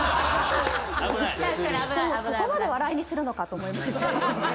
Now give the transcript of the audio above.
そこまで笑いにするのかと思いまして。